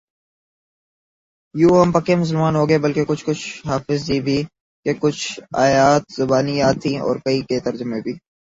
یوں ہم پکے مسلمان ہوگئے بلکہ کچھ کچھ حافظ جی بھی کہ کچھ آیات زبانی یاد تھیں اور کئی کے ترجمے بھی